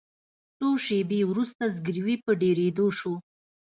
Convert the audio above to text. څو شیبې وروسته زګیروي په ډیریدو شو.